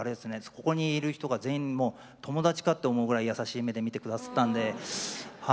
ここにいる人が全員もう友達かって思うぐらい優しい目で見てくだすったんでは